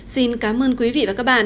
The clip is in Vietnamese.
xin cảm ơn quý vị và các bạn